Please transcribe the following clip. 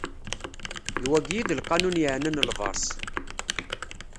D wagi i d lqanun yeɛnan lberṣ.